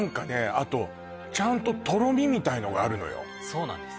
あとちゃんととろみみたいのがあるのよそうなんです